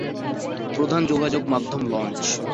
প্রধান যোগাযোগ মাধ্যম লঞ্চ।